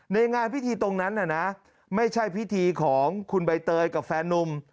ในงานพิธีตรงนั้นน่ะนะไม่ใช่พิธีของคุณใบเตยกับแฟนนุ่ม